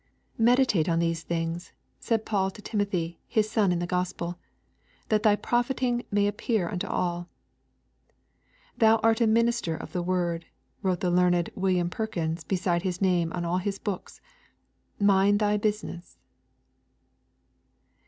'Meditate on these things,' said Paul to Timothy his son in the gospel, 'that thy profiting may appear unto all.' 'Thou art a minister of the word,' wrote the learned William Perkins beside his name on all his books, 'mind thy business.'